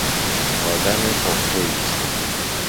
آد م پخته ایست